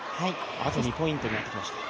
あと２ポイントになってきました。